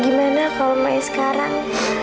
gimana kalau maya sekarang